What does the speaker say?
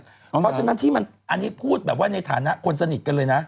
เพราะฉะนั้นที่มันอันนี้พูดแบบว่าในฐานะคนสนิทกันเลยนะ